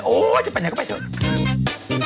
โอ๊ยชิบแปันทำเงาไปให้เธอ